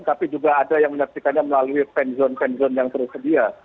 tapi juga ada yang menyaksikannya melalui fan zone fan zone yang tersedia